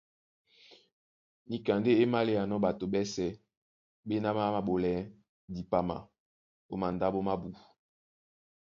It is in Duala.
Níka ndé é máléanɔ́ ɓato ɓɛ́sɛ̄ ɓéná ɓá māɓolɛɛ́ dipama ó mandáɓo mábū;